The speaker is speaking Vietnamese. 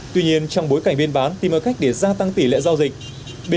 tuy nhiên trong bối cảnh biên bán tìm ra cách để gia tăng tỷ lệ giao dịch